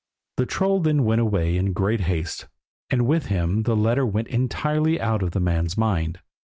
The troll then went away in great haste, and with him the letter went entirely out of the man's mind.